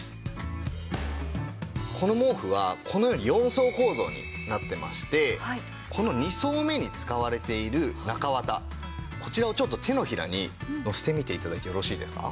この毛布はこのように４層構造になってましてこの２層目に使われている中綿こちらをちょっと手のひらにのせてみて頂いてよろしいですか？